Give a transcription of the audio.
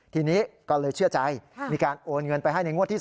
ทีนี้ก็เลยเชื่อใจมีการโอนเงินไปให้ในงวดที่๒